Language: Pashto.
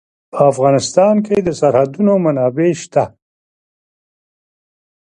په افغانستان کې د سرحدونه منابع شته.